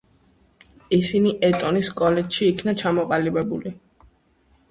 ისინი ეტონის კოლეჯში იქნა ჩამოყალიბებული.